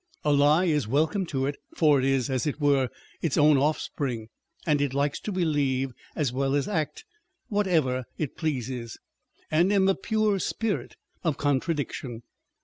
A lie is welcome to it, for it is, as it were, its own offspring ; and it likes to believe, as well as act, whatever it pleases, and in the pure spirit of contradiction.